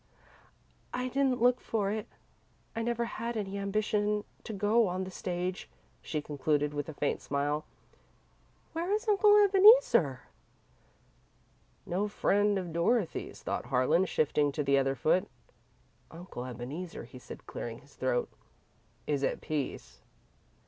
"I didn't look for it. I never had any ambition to go on the stage," she concluded, with a faint smile. "Where is Uncle Ebeneezer?" "No friend of Dorothy's," thought Harlan, shifting to the other foot. "Uncle Ebeneezer," he said, clearing his throat, "is at peace."